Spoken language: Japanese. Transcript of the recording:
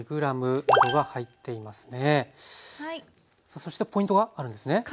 そしてポイントがあるんですね。